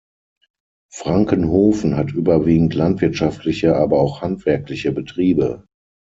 Frankenhofen hat überwiegend landwirtschaftliche aber auch handwerkliche Betriebe.